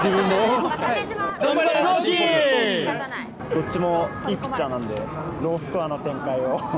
頑張れ、どっちもいいピッチャーなんで、ロースコアな展開を。